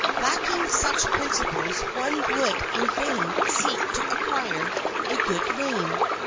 Lacking such principles one would in vain seek to acquire a good name.